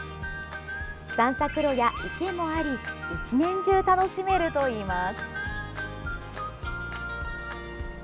散策路や池もあり１年中楽しめるといいます。